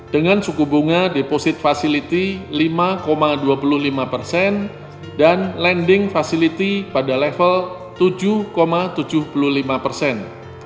dengan suku bunga deposit facility lima dua puluh lima persen dan lending facility pada level tujuh tujuh puluh lima persen